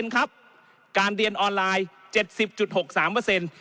การเรียนออนไลน์